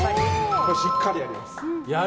しっかりやります。